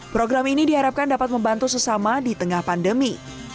program ini diharapkan dapat membantu sesama di tengah pandemi